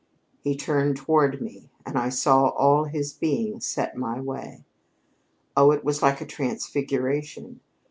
He turned toward me, and I saw all his being set my way. Oh, it was like a transfiguration!